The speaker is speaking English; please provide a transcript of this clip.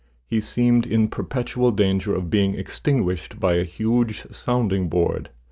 He seemed in perpetual danger of being extinguished by a huge sounding board.